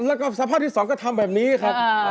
แล้วก็สภาพที่สองก็ทำแบบนี้ครับ